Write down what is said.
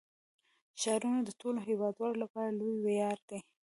ښارونه د ټولو هیوادوالو لپاره لوی ویاړ دی.